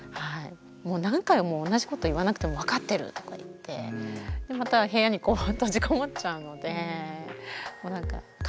もう何回も同じこと言わなくても分かってるとか言ってまた部屋に閉じこもっちゃうのでもうなんか会話にならないっていうか。